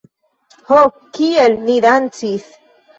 Ho, kiel ni dancis!